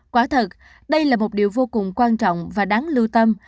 quả thật đây là một điều vô cùng quan trọng và đáng lưu tâm